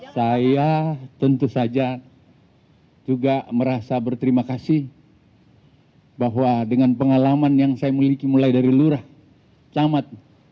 saya tentu saja juga merasa berterima kasih bahwa dengan pengalaman yang saya miliki mulai dari lurah camat